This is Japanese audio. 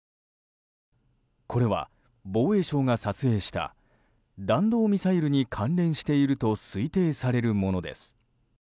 これは防衛省が撮影した弾道ミサイルに関連していると推定されるものです。